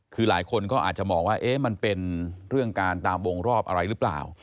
คือหลายคนก็อาจจะมองว่ามันเป็นเรื่องการตามวงรอบอะไรหรือเปล่า